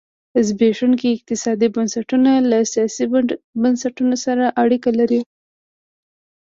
زبېښونکي اقتصادي بنسټونه له سیاسي بنسټونه سره اړیکه لري.